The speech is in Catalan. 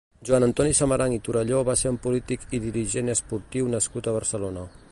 Joan Antoni Samaranch i Torelló va ser un polític i dirigent esportiu nascut a Barcelona.